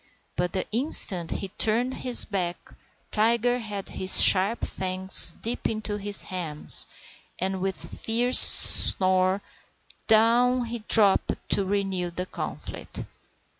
But the instant he turned his back Tiger had his sharp fangs deep into his hams, and with a fierce snarl down he dropped to renew the conflict.